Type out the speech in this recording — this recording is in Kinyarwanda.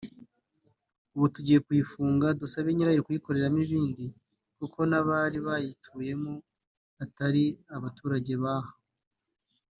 ubu tugiye kuyifunga dusabe nyirayo kuyikoreramo ibindi kuko n’abari bayituyemo atari abaturage b’aha”